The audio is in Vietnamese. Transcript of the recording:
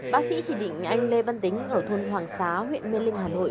bác sĩ chỉ định anh lê văn tính ở thôn hoàng xá huyện mê linh hà nội